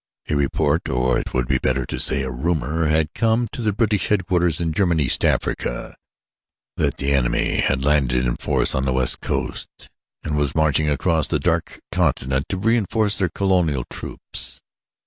A report, or it would be better to say a rumor, had come to the British headquarters in German East Africa that the enemy had landed in force on the west coast and was marching across the dark continent to reinforce their colonial troops.